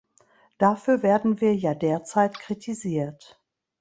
Dafür werden wir ja derzeit kritisiert.